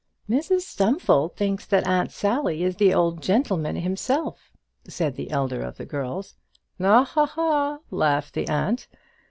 "Mrs Stumfold thinks that Aunt Sally is the old gentleman himself," said the elder of the girls. "Ha, ha, ha," laughed the aunt.